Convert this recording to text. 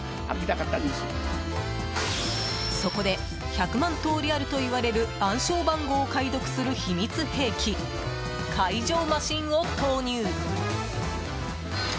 そこで１００万通りあるといわれる暗証番号を解読する秘密兵器解錠マシンを投入。